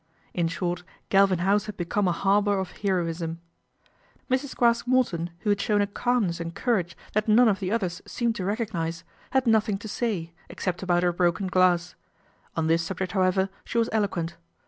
In short Galvin House had become a harbour of heroism. Mrs. Craske Morton, who had shown a calm ness and courage that none of the others seemed 274 GALVIN HOUSE AFTER THE RAID 275 to recognise, had nothing to say except about her broken glass; on this subject, however, she was eloquent.